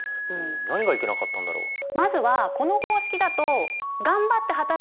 何がいけなかったんだろう？